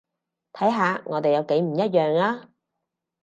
睇下我哋有幾唔一樣呀